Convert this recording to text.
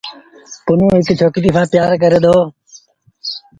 پنهون هڪڙيٚ ڇوڪريٚ سآݩ پيٚآر ڪريٚ دو۔